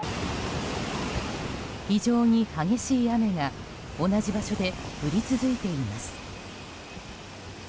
非常に激しい雨が同じ場所で降り続いています。